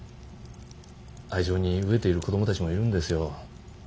愛情に飢えている子供たちもいるんですよ。